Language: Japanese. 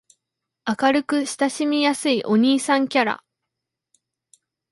明るく親しみやすいお兄さんキャラ